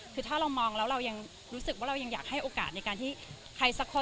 คือถ้าเรามองแล้วเรายังรู้สึกว่าเรายังอยากให้โอกาสในการที่ใครสักคน